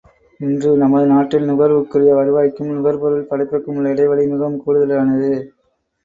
இன்று நமது நாட்டில் நுகர்வுக்குரிய வருவாய்க்கும் நுகர்வுப் பொருள் படைப்புக்கும் உள்ள இடைவெளி மிகவும் கூடுதலானது.